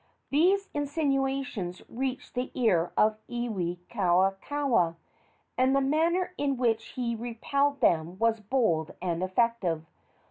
These insinuations reached the ear of Iwikauikaua, and the manner in which he repelled them was bold and effective.